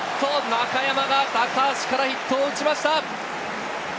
中山が高橋からヒットを打ちました。